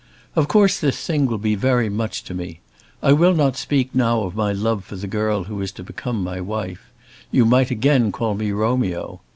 Of course this thing will be very much to me. I will not speak now of my love for the girl who is to become my wife. You might again call me Romeo.